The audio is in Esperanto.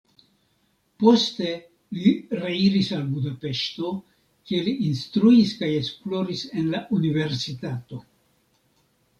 Poste li reiris al Budapeŝto, kie li instruis kaj esploris en la universitato.